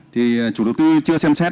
thì chủ đầu tư chưa xem xét